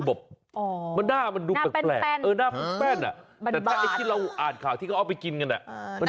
อ๋อหน้ามันดูแปลกนะแต่ถ้าไอ้ที่เราอาจข่าวที่เขาเอาไปกินกัน